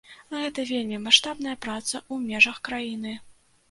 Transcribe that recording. Гэта вельмі маштабная праца ў межах краіны.